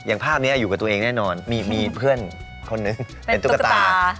ภาพนี้อยู่กับตัวเองแน่นอนมีเพื่อนคนนึงเป็นตุ๊กตา